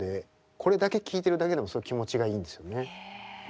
これだけ聴いてるだけでも気持ちがいいんですよね。